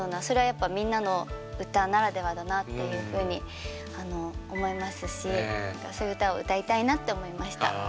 それはやっぱ「みんなのうた」ならではだなっていうふうに思いますしそういう歌を歌いたいなって思いました。